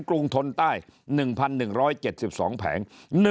รุงทนใต้๑๑๗๒แผง